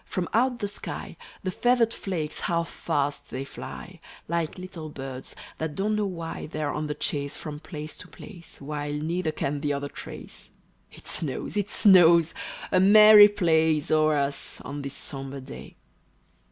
from out the sky The feathered flakes, how fast they fly, Like little birds, that don't know why They're on the chase, from place to place, While neither can the other trace! It snows, it snows! a merry play Is o'er us, on this sombre day.